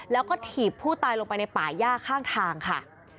แล้วก็ถีบผู้ตายลงไปในป่าย่าข้างทางค่ะ